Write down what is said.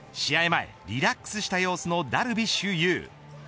前、リラックスした様子のダルビッシュ有。